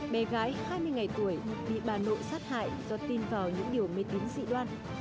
bé gái hai mươi ngày tuổi bị bà nội sát hại do tin vào những điều mê tín dị đoan